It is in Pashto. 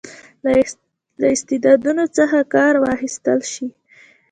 له استعدادونو څخه کار واخیستل شي.